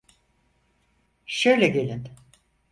Şöyle gelin!